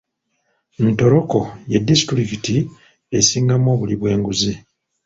Ntoroko ye disitulikiti esingamu obuli bw'enguzi.